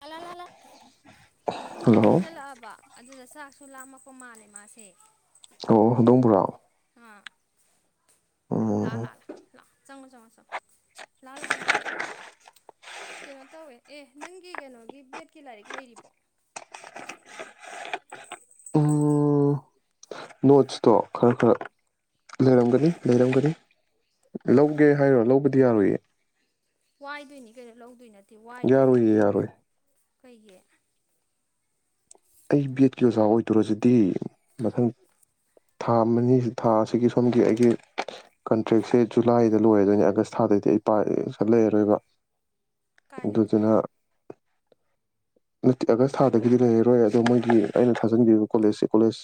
ꯂꯥꯂꯥ ꯂꯥꯂꯥ ꯄꯨꯡꯁꯨ hello ꯊꯦꯡꯖꯤꯜꯂꯛꯑꯕ ꯑꯗꯨꯗ ꯆꯥꯛꯁꯨ ꯂꯥꯝꯃꯛꯄ ꯃꯥꯜꯂꯦ ꯃꯥꯁꯦ ꯑꯣ ꯍꯧꯗꯣꯡ ꯄꯨꯔꯥꯑꯣ ꯑꯥ ꯂꯥ ꯎꯝ ꯂꯥ ꯂ ꯁꯤꯂꯥꯎ꯫ ꯆꯪꯉꯣ ꯆꯪꯉꯣ ꯆꯉꯣ ꯂꯥ ꯂꯥꯥ ꯂꯥ ꯫ ꯀꯩꯅꯣ ꯇꯧꯋꯦ ꯑꯦ ꯅꯪꯒꯤ ꯀꯩꯅꯣꯒꯤ ꯕꯦꯠꯀꯤ ꯂꯥꯏꯔꯤꯛ ꯂꯩꯔꯤꯕꯣ꯫ ꯎꯝ ꯅꯣꯠꯁꯇꯣ ꯈꯔ ꯈꯔ ꯂꯩꯔꯝꯒꯅꯤ ꯂꯩꯔꯝꯒꯅꯤ꯫ ꯂꯧꯒꯦ ꯍꯥꯏꯔꯣ ꯂꯧꯕꯗꯤ ꯌꯥꯔꯣꯏꯌꯦ꯫ ꯋꯥꯏꯗꯣꯏꯅꯤ ꯀꯩꯅꯣ ꯂꯧꯗꯣꯏ ꯅꯠꯇꯦ ꯋꯥꯏꯗꯣꯏꯅꯤ ꯌꯥꯔꯣꯏꯌꯦ ꯌꯥꯔꯣꯏ ꯀꯩꯒꯤ꯫ ꯑꯩ ꯕꯦꯠꯀꯤ ꯑꯣꯖꯥ ꯑꯣꯏꯗꯨꯔꯁꯤꯗꯤ ꯃꯊꯪ꯫ ꯊꯥ ꯑꯃꯅꯤ ꯊꯥ ꯑꯁꯤꯒꯤ ꯁꯣꯝꯒꯤ ꯑꯩꯒꯤ ꯀꯟꯇ꯭ꯔꯦꯛꯁꯦ ꯖꯨꯂꯥꯏꯗ ꯂꯣꯏꯔꯗꯣꯏꯅꯤ ꯑꯥꯒꯁ ꯊꯥ ꯑꯗꯩꯗꯤ ꯄꯥꯛ ꯁꯤꯗ ꯂꯩꯔꯔꯣꯏꯕ꯫ ꯀꯥꯏ ꯑꯗꯨꯗꯨꯅ ꯂꯩꯗꯣꯕ꯫ ꯅꯠꯇꯦ ꯑꯥꯒꯁ ꯊꯥꯗꯒꯤꯗꯤ ꯂꯩꯔꯔꯣꯏ ꯑꯗꯣ ꯃꯣꯏꯒꯤ ꯑꯩꯅ ꯊꯥꯖꯤꯟꯒꯤꯕ ꯀꯣꯂꯦꯖꯁꯦ ꯀꯣꯂꯦꯖ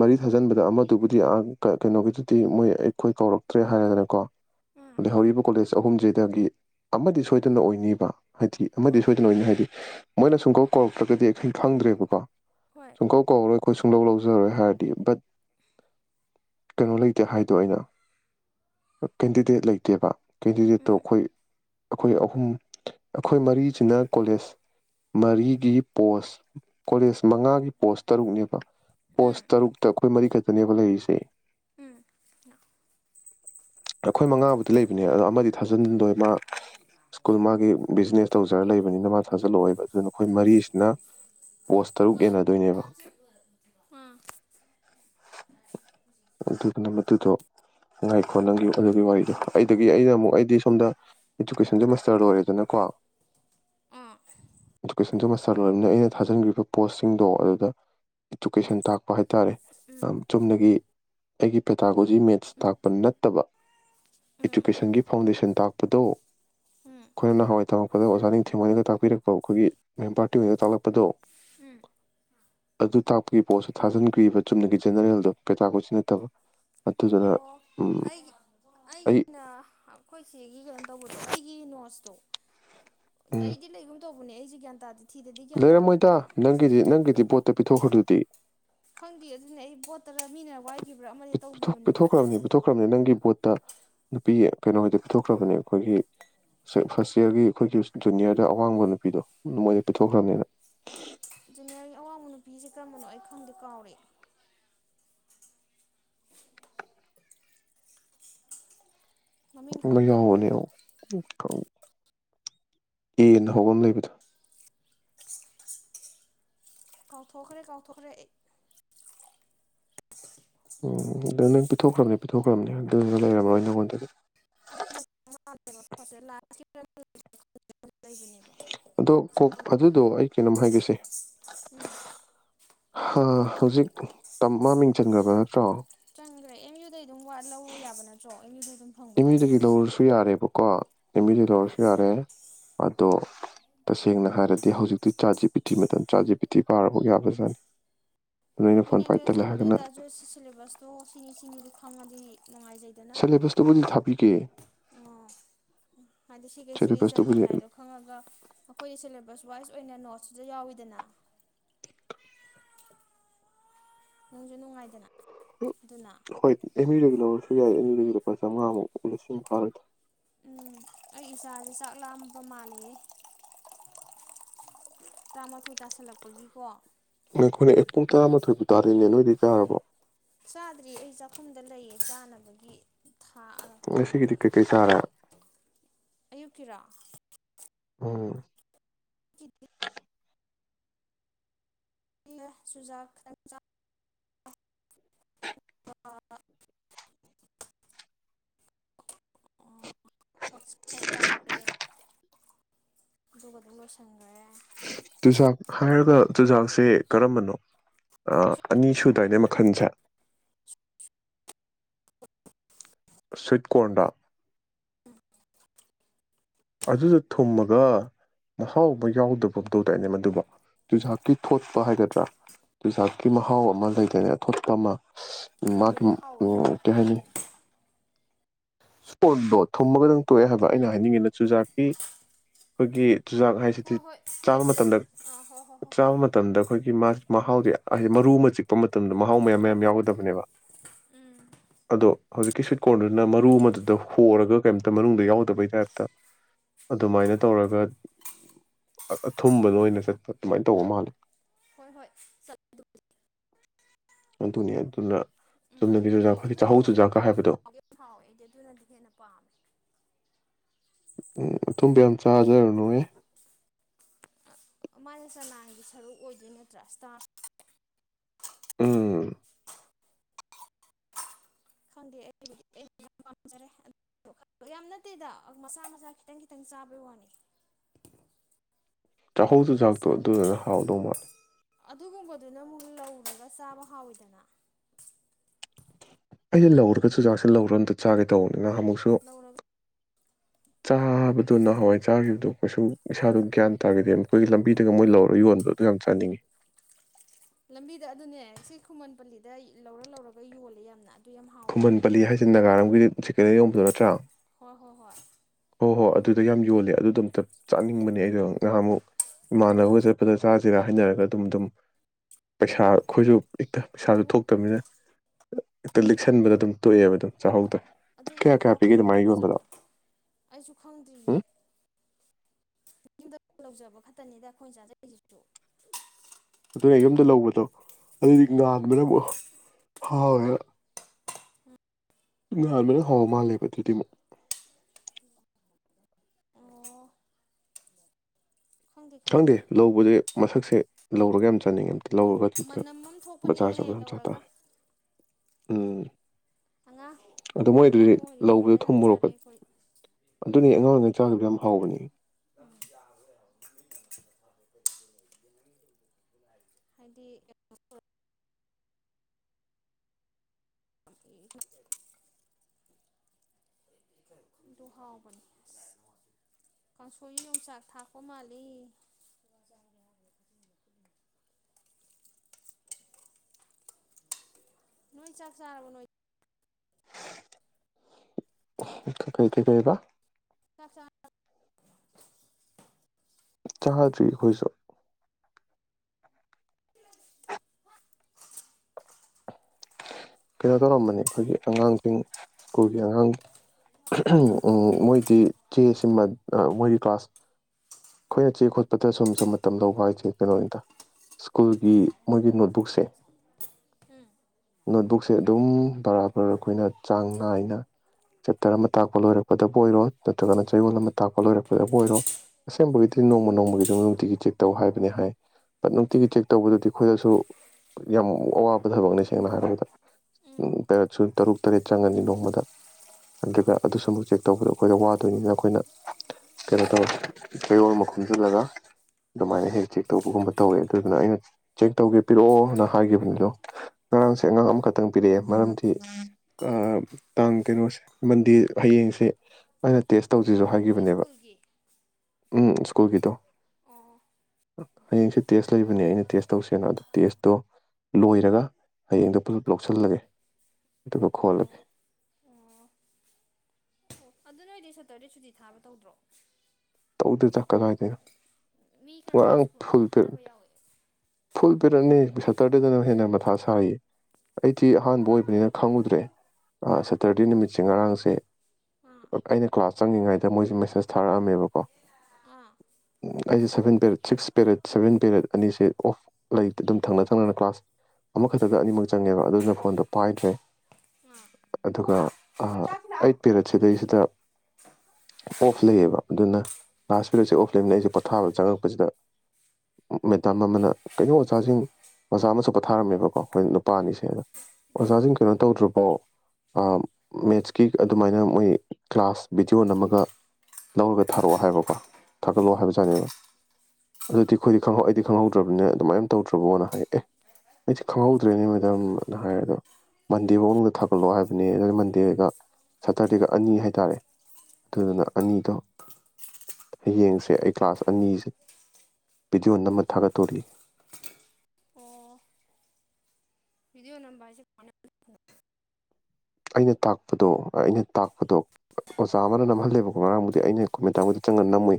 ꯃꯔꯤ ꯊꯥꯖꯤꯟꯕꯗ ꯑꯃꯗꯨꯕꯨꯗꯤ ꯑ ꯀꯩꯅꯣꯒꯤꯗꯨꯗꯤ ꯃꯣꯏ ꯑꯩꯈꯣꯏ ꯀꯧꯔꯛꯇ꯭ꯔꯦ ꯍꯥꯏꯔꯗꯅꯀꯣ꯫ ꯎꯝ ꯂꯩꯍꯧꯔꯤꯕ ꯀꯣꯂꯦꯖ ꯑꯍꯨꯝꯁꯤꯗꯒꯤ ꯑꯃꯗꯤ ꯁꯣꯏꯗꯅ ꯑꯣꯏꯅꯤꯕ꯫ ꯍꯥꯏꯗꯤ ꯑꯃꯗꯤ ꯎꯝ ꯁꯣꯏꯗꯅꯅꯤ ꯍꯥꯏꯗꯤ ꯃꯣꯏꯅ ꯁꯨꯡꯀꯥꯎ ꯀꯧꯔꯛꯇ꯭ꯔꯒꯗꯤ ꯑꯩꯈꯣꯏ ꯈꯪꯗ꯭ꯔꯦꯕꯀꯣ꯫ ꯍꯣꯏ ꯁꯨꯡꯀꯧ ꯀꯧꯔꯣꯏ ꯑꯩꯈꯣꯏ ꯁꯨꯡꯂꯧ ꯂꯧꯖꯔꯣꯏ ꯍꯥꯏꯔꯗꯤ ꯕꯠ ꯀꯩꯅꯣ ꯂꯩꯇꯦ ꯍꯥꯏꯗꯣ ꯑꯩꯅ ꯀꯦꯟꯗꯤꯗꯦꯠ ꯂꯩꯇꯦꯕ꯫ ꯀꯦꯟꯗꯤꯗꯦꯠꯇꯣ ꯎꯝ ꯑꯩꯈꯣꯏ ꯑꯩꯈꯣꯏ ꯑꯍꯨꯝ ꯑꯩꯈꯣꯏ ꯃꯔꯤꯁꯤꯅ ꯀꯣꯂꯦꯖ ꯃꯔꯤꯒꯤ ꯄꯣꯁ ꯀꯣꯂꯦꯖ ꯃꯉꯥꯒꯤ ꯄꯣꯁ ꯇꯔꯨꯛꯅꯦꯕ꯫ ꯄꯣꯁ ꯎꯝ ꯇꯔꯨꯛꯇ ꯑꯩꯈꯣꯏ ꯃꯔꯤꯈꯛꯇꯅꯦꯕ ꯂꯩꯔꯤꯁꯦ꯫ ꯎꯝ꯫ ꯑꯩꯈꯣꯏ ꯃꯉꯥꯕꯨꯗꯤ ꯂꯩꯕꯅꯦ ꯑꯗꯣ ꯑꯃꯗꯤ ꯊꯥꯖꯤꯟꯗꯣꯏ ꯃꯥ ꯁ꯭ꯀꯨꯜ ꯃꯥꯒꯤ ꯕꯤꯖꯤꯅꯦꯁ ꯇꯧꯖꯔ ꯂꯩꯕꯅꯤꯅ ꯃꯥ ꯊꯥꯖꯜꯂꯛꯑꯣꯏꯕ꯫ ꯑꯗꯨꯅ ꯑꯩꯈꯣꯏ ꯃꯔꯤꯁꯤꯅ ꯄꯣꯁ ꯇꯔꯨꯛ ꯌꯦꯟꯅꯗꯣꯏꯅꯦꯕ꯫ ꯑꯥ ꯑꯗꯨꯗꯨꯅ ꯃꯗꯨꯗꯣ꯫ ꯉꯥꯏꯈꯣ ꯅꯪꯒꯤ ꯑꯗꯨꯒꯤ ꯋꯥꯔꯤꯗꯣ ꯑꯩꯗꯒꯤ ꯑꯩꯅ ꯑꯃꯨꯛ ꯑꯩꯗꯤ ꯁꯣꯝꯗ ꯏꯗꯨꯀꯦꯁꯟꯗ ꯃꯁꯇꯔ ꯂꯣꯏꯔꯦꯗꯅꯀꯣ꯫ ꯑꯥ ꯏꯨꯀꯦꯁꯟꯗ ꯃꯁꯇꯔ ꯂꯣꯏꯔꯝꯅꯤꯅ ꯑꯩꯅ ꯊꯥꯖꯤꯟꯈ꯭ꯔꯤꯕ ꯄꯣꯁꯁꯤꯡꯗꯣ ꯑꯗꯨꯗ ꯏꯗꯨꯀꯦꯁꯟ ꯇꯥꯛꯄ ꯍꯥꯏꯇꯥꯔꯦ꯫ ꯎꯝ ꯆꯨꯝꯅꯒꯤ ꯑꯩꯒꯤ ꯄꯦꯊꯂꯣꯖꯤ ꯃꯦꯠꯁ ꯇꯥꯛꯄ ꯅꯠꯇꯕ ꯎꯝ ꯏꯗꯨꯨꯀꯦꯁꯟꯒꯤ ꯐꯥꯎꯟꯗꯦꯁꯟ ꯇꯥꯛꯄ ꯄꯗꯣ ꯎꯝ ꯑꯩꯈꯣꯏꯅ ꯅꯍꯥꯟꯋꯥꯏ ꯇꯝꯃꯛꯄꯗ ꯑꯣꯖꯥ ꯅꯤꯡꯊꯦꯝ ꯍꯣꯏꯅ ꯇꯥꯛꯄꯤꯔꯛ ꯑꯩꯈꯣꯏꯒꯤ ꯃꯦꯝ ꯄꯥꯔꯇꯤ ꯍꯣꯏꯅ ꯇꯥꯛꯂꯛꯄꯗꯣ꯫ ꯑꯗꯨ ꯇꯥꯛꯄꯒꯤ ꯄꯣꯠꯁꯨ ꯊꯥꯖꯤꯟꯈ꯭ꯔꯤꯕ ꯆꯨꯝꯅꯒꯤ ꯖꯦꯅꯦꯔꯦꯜꯗꯣ ꯄꯩꯇꯥꯥꯀꯣꯔꯤꯁ ꯅꯠꯇꯕ꯫ ꯑꯗꯨꯗꯨꯅ ꯑꯣ ꯑꯩꯒꯤ ꯑꯩ ꯑꯩꯒꯤꯅ ꯑꯩꯈꯣꯏ ꯁꯤꯒꯤ ꯀꯩꯅꯣ ꯇꯧꯕꯗꯣ꯫ ꯅꯣꯠꯁꯇꯣ ꯂꯩꯗꯤ ꯂꯩꯒꯨꯝ ꯇꯧꯕꯅꯦ ꯑꯩꯁꯦ ꯒ꯭ꯌꯥꯟ ꯇꯥꯗꯦ ꯊꯤꯗꯗꯤ ꯒ꯭ꯌꯥꯟ ꯂꯩꯔꯝꯃꯣꯏꯗ ꯇꯥꯔꯣꯏꯗꯕ ꯅꯪꯒꯤꯗꯤ ꯅꯪꯒꯤꯗꯤ ꯄꯣꯠꯇ ꯄꯤꯊꯣꯛꯈ꯭ꯔꯗꯨꯗꯤ꯫ ꯈꯪꯗꯦ ꯑꯗꯨꯅꯦ ꯑꯩ ꯕꯣꯠꯇꯔ ꯃꯤꯅ ꯋꯥꯏ ꯄꯤꯊꯣꯛꯈ꯭ꯔꯕꯅꯤ ꯄꯤꯊꯣꯛꯈ꯭ꯔꯕꯅꯤ ꯅꯪꯒꯤ ꯄꯣꯠ ꯇꯥ ꯅꯨꯄꯤ ꯀꯩꯅꯣꯍꯣꯏꯗ ꯄꯨꯤꯊꯣꯛꯈ꯭ꯔꯕꯅꯦ ꯑꯩꯈꯣꯏꯒꯤ ꯐꯥꯔꯁ ꯏꯌꯥꯔꯒꯤ ꯑꯩꯈꯣꯏꯒꯤ ꯖꯨꯅꯤꯌꯔꯗ ꯑꯋꯥꯡꯕ ꯅꯨꯄꯤꯗꯣ ꯃꯣꯏꯗ ꯄꯤꯊꯣꯛꯈ꯭ꯔꯕꯅꯤ ꯅꯪ꯫ ꯑꯗꯨꯅꯦ ꯑꯩ ꯑꯋꯥꯡꯕ ꯅꯨꯄꯤꯁꯦ ꯀꯔꯝꯕꯅꯣ ꯑꯩ ꯈꯪꯗꯦ ꯀꯥꯎꯔꯦ ꯑꯩ꯫ ꯃꯃꯤꯡ ꯈꯪꯕ꯭ꯔꯣ [unintelligible] ꯑꯦꯅ ꯍꯧꯕ ꯑꯃ ꯂꯩꯕꯗꯨ꯫ ꯀꯥꯎꯊꯣꯛꯈ꯭ꯔꯦ ꯀꯥꯎꯊꯣꯛꯈ꯭ꯔꯦ ꯑꯩ꯫ ꯎꯝ ꯑꯗꯨ ꯅꯪ ꯄꯤꯊꯣꯛꯈ꯭ꯔꯝꯅꯤ ꯄꯤꯊꯣꯛꯈ꯭ꯔꯝꯅꯤ ꯑꯗꯨ ꯂꯩꯔꯝꯃꯔꯣꯏ ꯅꯪꯉꯣꯟꯗꯗꯤ꯫ [inaudible] ꯂꯩꯟꯅꯦꯕ꯫ ꯑꯗꯣ ꯀꯣꯛ ꯑꯗꯨꯗꯣ ꯑꯩ ꯀꯩꯅꯣꯝ ꯍꯥꯏꯒꯁꯦ꯫ ꯎꯝ ꯍꯧꯖꯤꯛ ꯃꯥ ꯃꯤꯡ ꯆꯟꯈ꯭ꯔꯕ ꯅꯠꯇ꯭ꯔꯣ꯫ ꯑꯇꯩ ꯑꯗꯨꯝ ꯋꯥ ꯂꯧ ꯌꯥꯕ ꯅꯠꯇ꯭ꯔꯣ ꯑꯦꯝ ꯃꯨꯏꯗ ꯑꯗꯨꯝ ꯑꯦꯝ ꯐꯪꯕꯗꯥꯏꯅꯦ ꯌꯨꯗꯒꯤ ꯂꯧꯔꯁꯨ ꯑꯥ꯫ ꯐꯔꯦ ꯑꯗꯣ꯫ ꯇꯁꯦꯡꯅ ꯍꯥꯏꯔꯗꯤ ꯍꯧꯖꯤꯛꯇꯤ ꯆꯥꯠ ꯖꯤꯄꯤꯇꯤ ꯃꯇꯝ ꯆꯥꯠ ꯖꯤ ꯄꯤꯇꯤ ꯄꯥꯔꯕꯥꯎ ꯌꯥꯔꯕꯖꯥꯠꯅꯤ꯫ ꯍꯣꯏꯅꯦ ꯑꯗꯨ ꯑꯗꯨ ꯑꯣꯏꯇꯥꯔꯁꯨ ꯁꯤ ꯁꯤꯂꯦꯕꯁꯇꯣ ꯁꯤꯅꯤ ꯁꯤꯅꯤꯗꯨ ꯈꯪꯉꯥꯗꯤ꯫ ꯁꯂꯦꯕꯁꯇꯕꯨꯂꯤ ꯊꯥꯕꯤ ꯀꯦ ꯑꯣ ꯍꯥꯏꯗꯤ ꯁꯤꯈꯩ ꯁꯤꯒꯩ ꯆꯠ ꯍꯥꯏꯗꯣ ꯈꯪꯉꯒ ꯑꯩꯈꯣꯏꯒꯤ ꯁꯤꯂꯦꯕꯁ ꯋꯥꯏꯁ ꯑꯣꯏꯅ ꯅꯣꯠꯁꯤꯗ ꯌꯥꯎꯋꯤꯗꯅ ꯅꯨꯡꯁꯨ ꯅꯨꯡꯉꯥꯏꯗꯅ ꯑꯗꯨꯅ ꯍꯣꯏ ꯑꯦꯝ ꯌꯗꯒꯤ ꯂꯧꯔꯁꯨ ꯌꯥꯏ ꯑꯦꯝ ꯌꯗꯒꯤ ꯂꯨꯄꯥ ꯆꯥꯝꯃꯉꯥꯃꯨꯛꯂꯁꯤ ꯐꯥꯔꯗ ꯎꯝ ꯑꯩ ꯏꯆꯥꯁꯦ ꯆꯥꯛ ꯂꯥꯛꯃꯄ ꯃꯥꯜꯂꯤꯌꯦ ꯇꯥꯃꯥꯊꯣꯏ ꯇꯥꯁꯜꯂꯛꯄꯒꯤꯀꯣ ꯅꯈꯣꯏꯅ ꯑꯠ ꯄꯨꯡ ꯇꯔꯥꯃꯥꯊꯣꯏꯕꯨ ꯇꯥꯔꯤꯅꯦ ꯅꯣꯏꯗꯤ ꯇꯥꯔꯕꯣ ꯃꯈꯨꯝꯗ ꯂꯩꯌꯦ ꯆꯥꯅꯕꯒꯤ ꯊꯥ ꯑꯣ ꯉꯁꯤꯒꯤꯗꯤ ꯇꯧꯔꯤꯌꯦ ꯀꯩꯀꯩ ꯁꯥꯥꯔꯦ ꯑꯌꯨꯛꯀꯤꯔꯣ ꯎꯝ ꯁꯨꯖꯥꯛ [unintelligible] ꯄꯣ ꯈꯔ ꯆꯥꯔꯦ ꯑꯗꯨꯒ ꯑꯗꯨꯝ ꯂꯣꯏꯁꯟꯈ꯭ꯔꯦ ꯆꯨꯖꯥꯛ ꯍꯥꯏꯔꯒ ꯆꯨꯖꯥꯛꯁꯦ ꯀꯔꯝꯕꯅꯣ ꯑ ꯑꯅꯤ ꯁꯨꯗꯣꯏꯅꯦ ꯃꯈꯟꯁꯦ ꯁ꯭ꯋꯤꯠꯀꯣꯟꯗꯥ ꯑꯗꯨꯗ ꯊꯨꯝꯃꯒ ꯃꯍꯥꯎ ꯑꯃ ꯌꯥꯎꯗꯕ ꯃꯊꯧ ꯇꯥꯛꯏꯅꯦ ꯃꯗꯨꯕ ꯆꯨꯖꯥꯛꯀꯤ ꯊꯣꯠꯄ ꯍꯥꯏꯒꯗ꯭ꯔꯥ ꯇꯨꯖꯥꯛꯀꯤ ꯃꯍꯥꯎ ꯑꯃ ꯂꯩꯗꯅꯦ ꯑꯊꯣꯠꯄ ꯑꯃ ꯃꯥꯀꯤ ꯀꯣꯟꯗꯨꯗꯤ ꯎ ꯍꯥꯎꯋꯦ ꯀ ꯍꯥꯏꯅꯤ ꯁꯄꯣꯔꯗꯣ ꯊꯨꯝꯃꯒꯗꯪ ꯇꯣꯛꯑꯦ ꯍꯥꯏꯕ ꯑꯩꯅ ꯍꯥꯏꯅꯤꯡꯉꯤꯅ ꯆꯨꯖꯥꯛꯀꯤ ꯑꯩꯈꯣꯏꯒꯤ ꯆꯨꯖꯥꯛ ꯍꯥꯏꯁꯤꯗꯤ ꯍꯣꯏ ꯍꯣꯏ ꯆꯥꯕ ꯇꯦꯁꯇꯣ ꯃꯇꯝꯗ ꯑꯥ ꯍꯣꯏ ꯍꯣꯏ ꯍꯣꯏ ꯍꯣꯏ ꯆꯥꯕ ꯃꯇꯝꯗ ꯑꯩꯈꯣꯏꯒꯤ ꯃꯥ ꯃꯍꯥꯎꯁ ꯍꯥꯏꯗꯤ ꯃꯔꯨ ꯑꯃ ꯆꯤꯛꯄ ꯃꯇꯝ ꯃꯇꯝꯗ ꯃꯍꯥꯎ ꯃꯌꯥꯝ ꯃꯌꯥꯝ ꯌꯥꯎꯒꯗꯕꯅꯦꯕ ꯎꯝ ꯑꯗꯣ ꯍꯧꯖꯤꯛꯀꯤ ꯁꯨ ꯀꯣꯔ ꯑꯗꯨꯅ ꯃꯔꯨ ꯑꯃꯗꯨꯗ ꯍꯣꯔꯒ ꯀꯩꯝꯇ ꯃꯅꯨꯡꯗ ꯌꯥꯎꯗꯕ ꯍꯥꯏꯇꯥꯔꯦ ꯑꯗꯨꯃꯥꯏꯅ ꯇꯧꯔꯒ ꯑꯊꯨꯝꯕꯅ ꯑꯣꯏꯅ ꯆꯠꯄ ꯑꯗꯨꯃꯥꯏꯅ ꯇꯧꯕ ꯃꯥꯜꯂꯦ ꯍꯣꯏ ꯍꯣꯏ ꯆꯠ ꯑꯗꯨꯅꯌꯥ ꯑꯗꯨꯅ ꯎꯝ ꯆꯨꯝꯅꯒꯤ ꯑꯗꯣ ꯆꯨꯖꯥꯛ ꯑꯩꯈꯣꯏꯒꯤ ꯑꯗꯨꯗꯣ ꯆꯥꯛꯍꯧ ꯆꯨꯖꯥꯛꯀ ꯍꯥꯏꯕꯗꯣ ꯍꯥꯎꯒꯦ ꯌꯥꯝ ꯍꯥꯎꯋꯦꯗꯤ ꯑꯗꯨꯅꯗꯤ ꯍꯦꯟꯅ ꯄꯥꯝꯃꯦ [inaudible] ꯎꯝ ꯑꯊꯨꯝꯕ ꯌꯥꯝ ꯀꯩꯅꯣꯗꯒꯤ ꯆꯥꯖꯔꯨꯅꯨꯍꯦ ꯃꯥꯅ ꯆꯂꯥꯡꯒꯤ ꯁꯔꯨꯛ ꯑꯣꯏꯗꯣꯏ ꯅꯠꯇ꯭ꯔꯥ ꯏꯁꯇꯥꯔ ꯎꯝ ꯈꯪꯗꯦ ꯑꯩꯕꯨꯗꯤ ꯑꯩ ꯌꯥꯝ ꯄꯥꯝꯖꯔꯦ ꯌꯥꯝ ꯅꯠꯇꯦꯗ ꯃꯁꯥ ꯃꯁꯥ ꯈꯤꯇꯪ ꯈꯤꯇꯪ ꯆꯥꯕꯩ ꯋꯥꯅꯤ ꯆꯥꯛꯍꯧ ꯌꯥꯝꯅꯒ ꯆꯨꯖꯥꯛꯇꯣ ꯆꯥꯕ ꯑꯗꯨꯗꯨꯅ ꯅꯠꯇꯦ ꯍꯥꯎꯗꯧ ꯃꯥꯜꯂꯦ ꯑꯗꯨꯒꯨꯝꯕꯗꯨꯅ ꯑꯃꯨꯛ ꯂꯧꯔꯒ ꯆꯥꯕ ꯍꯥꯎꯋꯤꯗꯅ ꯑꯩꯁꯦ ꯂꯧꯔꯒ ꯆꯨꯖꯥꯛꯁꯤ ꯂꯧꯔ ꯑꯝꯇ ꯆꯥꯒꯦ ꯇꯧꯕꯅꯤꯅ ꯑꯃꯨꯛꯁꯨ ꯂꯧꯔꯒ ꯆꯥꯕꯗꯨ ꯅꯍꯥꯟꯋꯥꯏ ꯆꯥꯈꯤꯕꯗꯨ ꯀꯩꯁꯨ ꯏꯁꯥꯗꯨ ꯒ꯭ꯌꯥꯟ ꯇꯥꯔꯗꯤ ꯃꯈꯣꯏꯒꯤ ꯂꯝꯕꯤꯗꯒ ꯃꯣꯏ ꯂꯧꯔ ꯌꯣꯟꯕ ꯑꯗꯨ ꯌꯥꯝ ꯆꯥꯅꯤꯡꯉꯤ ꯂꯝꯕꯤꯗ ꯑꯗꯨꯅꯦ ꯁꯤ ꯈꯨꯃꯟ ꯄꯜꯂꯤꯗ ꯂꯧꯔ ꯂꯧꯔꯒ ꯌꯣꯜꯂꯦ ꯌꯥꯝꯅ ꯑꯗꯨ ꯌꯥꯝ ꯍꯥꯎꯋꯦ ꯈꯨꯃꯟ ꯄꯂꯤ ꯍꯥꯏꯁꯤ ꯅꯥꯒꯥꯔꯣꯝꯒꯤ ꯆꯤꯀꯟ ꯌꯣꯟꯕꯗꯣ ꯅꯠꯇ꯭ꯔꯥ ꯍꯣꯏ ꯍꯣꯏ ꯍꯣꯏ ꯍꯣꯏ ꯍꯣꯏ ꯑꯗꯨꯗ ꯌꯥꯝ ꯌꯣꯜꯂꯦ ꯑꯗꯨꯗꯣ ꯑꯝꯇ ꯆꯥꯅꯤꯡꯕꯅꯦ ꯑꯗꯣ ꯉꯍꯥꯛꯃꯨꯛ ꯏꯃꯥꯟꯅꯕꯒ ꯆꯠꯄꯗ ꯆꯥꯁꯤꯔꯥ ꯍꯥꯏꯩꯅꯔꯒ ꯑꯗꯨꯝ ꯑꯗꯨꯝ ꯄꯩꯁꯥ ꯑꯩꯈꯣꯏꯁꯨ ꯍꯦꯛꯇ ꯄꯩꯁꯥꯁꯨ ꯑꯗꯨꯕꯨ ꯊꯣꯛꯇꯕꯅꯤꯅ ꯍꯦꯛꯇ ꯂꯤꯛꯁꯟꯕꯗ ꯑꯗꯨꯝ ꯇ ꯊꯣꯛꯑꯦꯕ ꯑꯗꯨꯝ ꯆꯥꯛꯍꯧꯗ ꯑꯗꯨꯕꯨ ꯃꯍꯥꯎ ꯀꯃꯥꯏꯅ ꯇꯧꯕꯖꯥꯠꯅꯣ ꯑꯩꯁꯨ ꯈꯪꯗ꯭ꯔꯤꯌꯦ ꯎꯝ ꯌꯨꯝꯗ [inaudible] ꯂꯧꯖꯕ ꯈꯛꯇꯅꯤꯗ ꯑꯩꯈꯣꯏꯅ ꯆꯥꯖꯩꯁꯤꯁꯨ ꯑꯗꯨꯅ ꯌꯨꯝꯗ ꯂꯧꯕꯗꯣ ꯑꯗꯨꯗꯤ ꯉꯥꯟꯕꯅꯕꯨ ꯍꯥꯎꯋꯦꯔ ꯉꯥꯟꯕꯅ ꯍꯥꯎ ꯃꯥꯜꯂꯦꯕ ꯑꯗꯨꯗꯤꯃꯨꯛ ꯑꯣ ꯈꯪꯗꯦ ꯂꯧꯕꯗꯤ ꯃꯁꯛꯁꯦ ꯂꯧꯔꯒ ꯌꯥꯝ ꯆꯥꯅꯤꯡꯉꯦ ꯂꯧꯔꯒ ꯑꯗꯨꯝ ꯃꯅꯝ ꯑꯃ ꯕꯖꯥꯔ ꯊꯣꯛꯄꯅꯤꯍꯦ ꯆꯕ ꯆ ꯂꯧꯔꯒ ꯇꯥꯔꯦ ꯎꯝ ꯑꯉꯥꯡ ꯑꯗꯣ ꯑꯉꯥꯡ ꯃꯣꯏꯗꯨꯗꯤ ꯂꯧꯕꯗꯣ ꯑꯣꯏꯔꯤꯉꯩꯗ ꯌꯥꯝ ꯆꯥꯔꯛꯑꯦ ꯊꯨꯝꯃꯣꯔꯣꯀ ꯑꯩꯈꯣꯏ ꯑꯗꯨꯅꯤ ꯑꯉꯥꯡꯉ ꯆꯥꯒꯤꯕꯗꯣ ꯌꯥꯝ ꯍꯥꯎꯕꯅꯤ [inaudible] ꯍꯥꯏꯗꯤ [unintelligible] ꯑꯗꯣ ꯍꯥꯎꯎꯅꯤ ꯀꯥꯡꯁꯣꯏꯒꯤ ꯌꯣꯡꯆꯥꯛ ꯊꯥꯛꯄ ꯃꯥꯜꯂꯤ [inaudible] ꯅꯣꯏ ꯆꯥꯛ ꯆꯔꯕꯣ ꯅꯣꯏ ꯀꯩ ꯀ ꯀꯩꯕ ꯆꯥꯛ ꯆꯥ ꯆꯥꯗ꯭ꯔꯤ ꯑꯩꯈꯣꯏꯁꯨ [unintelligible] ꯀꯩꯅꯣ ꯇꯧꯔꯝꯕꯅꯤ ꯑꯩꯈꯣꯏꯒꯤ ꯑꯉꯥꯡꯁꯤꯡ ꯁ꯭ꯀꯨꯜꯒꯤ ꯑꯉꯥꯡ ꯃꯣꯏꯗꯤ ꯆꯦ ꯁꯤꯃ ꯃꯣꯏꯔꯤ ꯀ꯭ꯂꯥꯁ ꯑꯩꯈꯣꯏꯅ ꯆꯦ ꯈꯣꯠꯄꯗ ꯁꯨꯝ ꯁꯨꯝ ꯃꯇꯝ ꯂꯧꯕ ꯍꯥꯏꯁꯦ ꯀꯩꯅꯣꯅꯤꯗ ꯁ꯭ꯀꯨꯜꯒꯤ ꯃꯣꯏꯒꯤ ꯅꯣꯠꯕꯨꯛꯁꯦ ꯅꯣꯠꯕꯨꯛ ꯁꯦ ꯑꯗꯨꯝ ꯕꯔꯥꯕꯔ ꯑꯩꯈꯣꯏꯅ ꯆꯥꯡ ꯅꯥꯏꯅ ꯆꯦꯞꯇꯔ ꯑꯃ ꯇꯥꯛꯄ ꯂꯣꯏꯔꯛꯄꯗꯕꯨ ꯑꯣꯏꯔꯣ ꯅꯠꯇ꯭ꯔꯒꯅ ꯆꯌꯣꯜ ꯑꯃ ꯇꯥꯛꯄ ꯂꯣꯏꯔꯛꯄꯗꯕꯨ ꯑꯣꯏꯔꯣ ꯑꯁꯦꯡꯕꯒꯤꯗꯤ ꯅꯣꯡꯃ ꯅꯣꯡꯃꯒꯤꯗꯨ ꯅꯨꯡꯇꯤꯒꯤ ꯆꯦꯛ ꯇꯧ ꯍꯥꯏꯕꯅꯤ ꯍꯥꯏ ꯅꯨꯡꯇꯤꯒꯤ ꯆꯦꯛ ꯇꯧꯕꯗꯗꯤ ꯑꯩꯈꯣꯏꯗꯁꯨ ꯌꯥꯝ ꯑꯋꯥꯕ ꯊꯕꯛꯅꯦ ꯁꯦꯡꯅ ꯍꯥꯏꯔꯕꯗ ꯎ ꯎꯝ ꯀꯩꯅꯁꯨ ꯇꯔꯨꯛ ꯇꯔꯦꯠ ꯆꯪꯉꯅꯤ ꯅꯣꯡꯃꯗ ꯑꯗꯨꯒ ꯑꯗꯨꯁꯨ ꯑꯃꯨꯛ ꯆꯦꯛ ꯇꯧꯕꯗꯣ ꯑꯩꯈꯣꯏꯗ ꯋꯥꯗꯣꯏꯅꯤꯅ ꯑꯩꯈꯣꯏꯅ ꯀꯩꯅꯣ ꯇꯧꯋꯦ ꯆꯌꯣꯜ ꯈꯨꯨꯝꯁꯤꯂꯒ ꯑꯗꯨꯃꯥꯏꯅ ꯍꯦꯛ ꯆꯦꯛ ꯇꯧꯕꯒꯨꯝꯕ ꯇꯧꯋꯦ ꯑꯗꯨꯗꯨꯅ ꯑꯩꯅ ꯆꯦꯛ ꯇꯧꯒꯦ ꯄꯤꯔꯛꯑꯣꯅ ꯍꯥꯏꯈꯤꯕꯅꯤꯗꯣ ꯉꯔꯥꯡꯁꯦ ꯑꯉꯥꯡ ꯑꯃꯈꯛꯇꯪ ꯄꯤꯔꯛꯑꯦ ꯃꯔꯝꯗꯤ ꯇꯥꯡ ꯀꯩꯅꯣꯁꯦ ꯃꯟꯗꯦ ꯍꯌꯦꯡꯁꯦ ꯑꯩꯅ ꯇꯦꯁ ꯇꯧꯁꯤꯁꯨ ꯑꯣ ꯅꯣꯏ ꯍꯥꯏꯈꯤꯕꯅꯦꯕ ꯁ꯭ꯀꯨꯜꯒꯤ ꯎꯝ ꯁ꯭ꯀꯨꯜꯒꯤꯗꯣ ꯑꯣ ꯍꯌꯦꯡꯁꯦ ꯇꯦꯁ ꯂꯩꯕꯅꯦ ꯑꯩꯅ ꯇꯦꯁ ꯇꯧꯁꯦꯅ ꯑꯗꯨꯣ ꯇꯦꯁꯇꯣ ꯂꯣꯏꯔꯒ ꯍꯌꯦꯡꯗꯣ ꯄꯨꯂꯞ ꯂꯧ ꯁꯜꯂꯒꯦ ꯑꯗꯨꯒ ꯑꯣ ꯈꯍꯜꯂꯒꯦ ꯑꯣ ꯑꯣ ꯑꯗꯨ ꯅꯣꯏꯗꯤ ꯁꯇꯔꯗꯦ ꯁꯨꯇꯤ ꯊꯥꯕ ꯇꯧꯗ꯭ꯔꯣ ꯇꯧꯗ ꯇ ꯀꯗ ꯍꯥꯏꯗꯦꯅ ꯃꯤ ꯀꯅꯥꯒꯤ ꯃꯔꯥꯡ ꯁ꯭ꯀꯨꯜꯅꯣ ꯐ ꯄꯔ ꯊꯥꯅꯕ ꯌꯥꯎꯋꯦ ꯐ ꯄꯔꯅꯤ ꯄꯁꯇꯔꯗꯗꯅ ꯍꯦꯟꯅ ꯃꯊꯥ ꯁꯌꯦ ꯑꯩꯗꯤ ꯑꯍꯥꯟꯕ ꯑꯣꯏꯕꯅꯤꯅ ꯈꯪꯉꯨꯗ꯭ꯔꯦ ꯑ ꯑꯥ ꯁꯦꯇꯔꯗꯤ ꯅꯨꯃꯤꯠ ꯂꯤꯁꯤꯡ ꯑꯔꯥꯡꯁꯦ ꯑꯥ ꯑꯩꯅ ꯀ꯭ꯂꯥꯁ ꯆꯪꯉꯤꯉꯩꯗ ꯃꯣꯏꯁꯦ ꯃꯦꯁꯦꯁ ꯊꯥꯔꯛꯑꯝꯃꯦꯕꯀꯣ ꯑꯣ ꯑꯥ ꯑꯩꯁꯦ seven period six period seven period ꯑꯅꯤꯁꯦ ꯑꯣꯐ ꯂꯩꯇ ꯑꯗꯨꯝ ꯊꯪꯅ ꯊꯪꯅꯅ ꯀ꯭ꯂꯥꯁ ꯑꯃꯈꯛꯇ ꯑꯅꯤꯃꯛ ꯆꯪꯉꯦꯕ ꯑꯗꯨꯗꯨꯅ ꯐꯣꯟꯗꯣ ꯄꯥꯏꯗ꯭ꯔꯦ ꯑꯥ ꯑꯗꯨꯒ ꯑꯩꯠ ꯄꯦꯔꯦꯠ ꯁꯤꯗꯩꯁꯤꯗ ꯑꯣꯐ ꯂꯩꯌꯦꯕ ꯑꯗꯨꯅ ꯂꯥꯁ ꯄꯤꯔꯠꯁꯦ ꯑꯣꯐ ꯂꯩꯕꯅꯤꯅ ꯑꯩꯁꯦ ꯄꯣꯊꯥꯕꯗ ꯆꯪꯉꯛꯄꯁꯤꯗ ꯃꯦꯗꯥꯝ ꯑꯃꯅ ꯀꯩꯅꯣ ꯑꯣꯖꯥꯁꯤꯡ ꯑꯣꯖꯥ ꯑꯃꯁꯨ ꯄꯊꯥꯔꯝꯃꯦꯕꯀꯣ ꯑꯩꯈꯣꯏꯅ ꯅꯨꯄꯥꯅꯤꯁꯦꯅ ꯑꯣꯖꯥꯁꯤꯡ ꯀꯩꯅꯣ ꯇꯧꯗ꯭ꯔꯤꯐꯥꯎ ꯃꯦꯠꯁꯀꯤ ꯑꯗꯨꯃꯥꯏꯅ ꯃꯣꯏ ꯀ꯭ꯂꯥꯁ ꯚꯤꯗꯤꯑꯣ ꯅꯝꯃꯒ ꯂꯧꯔꯒ ꯊꯥꯔꯛꯑꯣ ꯍꯥꯏꯕꯀꯣ ꯊꯥꯒꯠꯂꯛꯑꯣ ꯍꯥꯏꯕꯖꯥꯠꯅꯦꯕ ꯑꯗꯨꯗꯤ ꯑꯩꯈꯣꯏꯗꯤ ꯈꯪꯍꯧ ꯑꯩꯗꯤ ꯈꯪꯍꯧꯗ꯭ꯔꯕꯅꯤꯅ ꯑꯗꯨꯃꯥꯏꯅ ꯇꯧꯗ꯭ꯔꯕꯣꯅ ꯍꯥꯏ ꯑꯦ ꯑꯩꯗꯤ ꯈꯪꯍꯧꯗ꯭ꯔꯦꯅꯦ ꯃꯦꯗꯝꯝ ꯑꯗꯨ ꯍꯥꯏꯔꯗꯣ ꯃꯟꯗꯦꯐꯥꯎ ꯃꯅꯨꯡꯗ ꯊꯥꯒꯠꯂꯛꯑꯣ ꯍꯥꯏꯕꯅꯦ ꯑ ꯃꯟꯗꯦꯒ ꯁꯇꯔꯗꯦꯒ ꯑꯅꯤ ꯍꯥꯏꯇꯥꯔꯦ [inaudible] ꯑꯗꯨꯗꯨꯅ ꯑꯅꯤꯗꯣ ꯍꯌꯦꯡꯁꯦ ꯑꯩ ꯀ꯭ꯂꯥꯁ ꯑꯅꯤꯁꯦ ꯚꯤꯗꯤꯑꯣ ꯅꯝꯝꯕ ꯊꯥꯒꯠꯇꯣꯔꯤ ꯑꯣ ꯏꯗꯤꯑꯣ ꯅꯝꯕꯥꯏ ꯀ ꯑꯩꯅ ꯇꯥꯛꯄꯗꯣ ꯑꯩꯅ ꯇꯥꯛꯄꯗꯣ ꯑꯣꯖꯥ ꯑꯃꯅ ꯅꯝꯍꯜꯂꯦꯕꯀꯣ ꯃꯔꯝꯕꯨꯗꯤ ꯑꯩꯅ ꯀ ꯇꯕꯨꯗꯤ ꯆꯪꯍꯟ ꯅꯝꯃꯨꯏ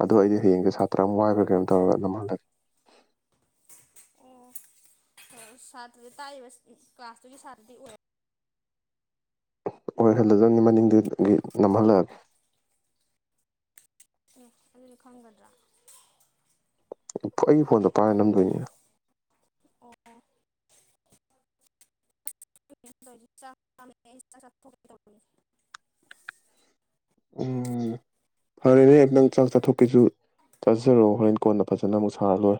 ꯑꯗꯨꯗꯣ ꯑꯩꯗꯤ ꯍꯌꯦꯡꯁꯦ ꯁꯥꯇ꯭ꯔ ꯑꯃ ꯋꯥꯏꯕ꯭ꯔꯥ ꯀꯩꯅꯣ ꯇꯧꯔꯒ ꯅꯝꯍꯜꯂꯦ [unintelligible] ꯁꯥꯇ꯭ꯔꯗ ꯇꯥꯛꯏꯕ ꯀ꯭ꯂꯥꯁꯇꯨꯒꯤ ꯁꯥꯇ꯭ꯔꯗꯤ ꯑꯣꯏꯔ ꯑꯣꯏꯍꯜꯂꯗꯕꯅꯤ ꯃꯅꯤꯡꯗꯨꯒꯤ ꯅꯝꯍꯜꯂꯛꯑꯒꯦ ꯑꯗꯨꯗꯤ ꯈꯪꯒꯗ꯭ꯔꯥ ꯑꯩꯒꯤ ꯐꯣꯟꯗꯣ ꯄꯥꯏꯔ ꯅꯝꯗꯣꯏꯅꯤ ꯑꯣ [unintelligible] ꯎꯝ ꯐꯔꯦꯅꯦ ꯑꯦꯛꯇꯪ ꯆꯥꯛ ꯆꯥꯊꯣꯛꯀꯦꯁꯨ ꯆꯥꯖꯔꯛꯣꯑꯣ ꯍꯣꯔꯦꯟ ꯀꯣꯟꯅ ꯐꯖꯅ ꯑꯃꯨꯛ ꯁꯥꯔ ꯂꯣꯏ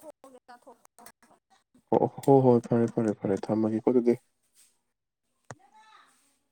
ꯐꯒꯦ ꯇ ꯊ [unintelligible] ꯑꯣ ꯍꯣ ꯍꯣꯏ ꯐꯔꯦ ꯊꯝꯃꯣ ꯐꯔꯦ ꯐꯔꯦ ꯊꯝꯃꯒꯦꯀꯣ ꯑꯗꯨꯗꯤ [unintelligible]